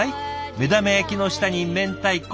目玉焼きの下に明太子。